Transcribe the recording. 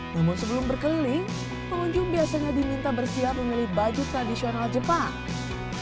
namun sebelum berkeliling pengunjung biasanya diminta bersiap memilih baju tradisional jepang